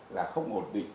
là không ổn định